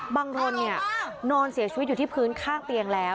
บางคนนอนเสียชีวิตอยู่ที่พื้นข้างเตียงแล้ว